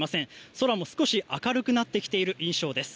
空も少し明るくなってきている印象です。